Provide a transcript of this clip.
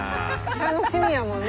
楽しみやもんね。